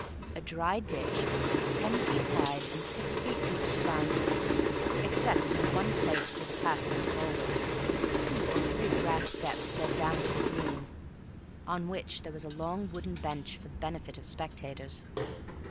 A dry ditch, ten feet wide and six feet deep, surrounded it, except in the one place where the path went forward. Two or three grass steps led down to the green, on which there was a long wooden bench for the benefit of spectators.